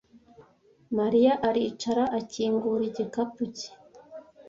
Mariya aricara, akingura igikapu cye.